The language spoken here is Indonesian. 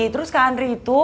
terus kak andri itu